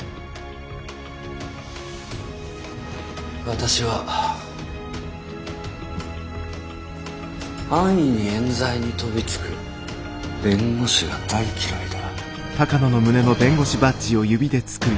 私は安易にえん罪に飛びつく弁護士が大嫌いだ。